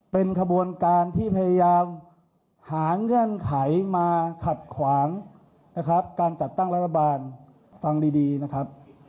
เป็นขบวนการที่พยายามหาเงื่อนไขมาขัดขวางนะครับการจัดตั้งรัฐบาลฟังดีนะครับ